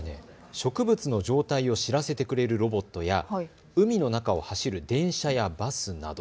植物の状態を知らせてくれるロボットや海の中を走る電車やバスなど。